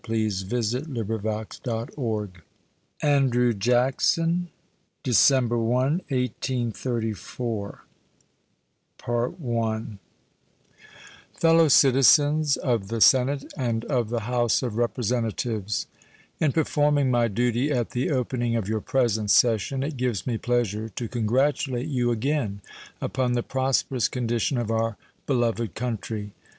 State of the Union Address Andrew Jackson December 1, 1834 Fellow Citizens of the Senate and of the House of Representatives: In performing my duty at the opening of your present session it gives me pleasure to congratulate you again upon the prosperous condition of our beloved country.